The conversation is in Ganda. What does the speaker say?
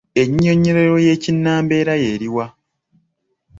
Ennyinyonnyolero y’ekinnambeera y’eluwa?